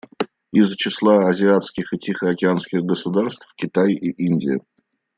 Из числа азиатских и тихоокеанских государств — Китай и Индия.